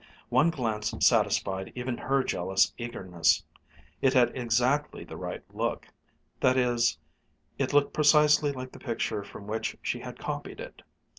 One glance satisfied even her jealous eagerness. It had exactly the right look that is, it looked precisely like the picture from which she had copied it.